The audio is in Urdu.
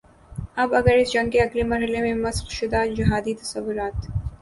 اب اگر اس جنگ کے اگلے مرحلے میں مسخ شدہ جہادی تصورات